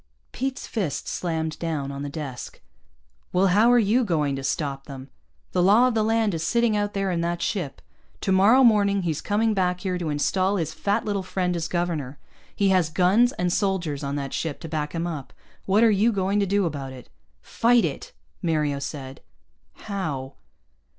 Pete's fist slammed down on the desk. "Well, how are you going to stop them? The law of the land is sitting out there in that ship. Tomorrow morning he's coming back here to install his fat little friend as governor. He has guns and soldiers on that ship to back him up. What are you going to do about it?" "Fight it," Mario said. "How?"